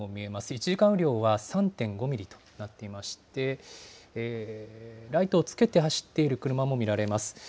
１時間雨量は３．５ミリとなっていまして、ライトをつけて走っている車も見られます。